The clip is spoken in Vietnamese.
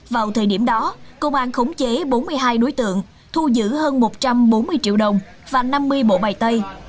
vào thời điểm đó công an khống chế bốn mươi hai đối tượng thu giữ hơn một trăm bốn mươi triệu đồng và năm mươi bộ bài tay